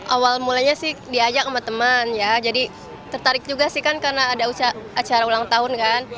awal mulanya sih diajak sama teman ya jadi tertarik juga sih kan karena ada acara ulang tahun kan